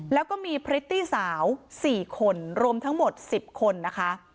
แล้วก็มีพริตตี้สาว๔คนรวมทั้งหมด๑๐คนนะคะ